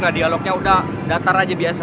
nah dialognya udah datar aja biasa ya